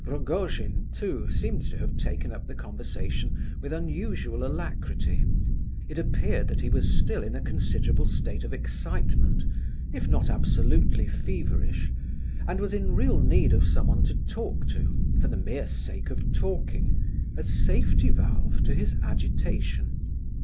Rogojin, too, seemed to have taken up the conversation with unusual alacrity it appeared that he was still in a considerable state of excitement, if not absolutely feverish, and was in real need of someone to talk to for the mere sake of talking, as safety valve to his agitation.